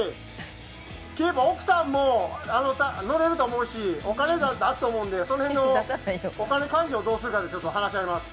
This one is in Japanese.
奥さんも乗れると思うし、お金出すと思うんでその辺のお金勘定どうするかで話し合います。